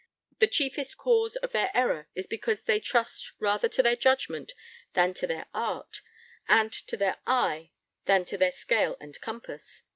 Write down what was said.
the chiefest cause of their error is because they trust rather to their judgment than to their art, and to their eye than to their scale and compass.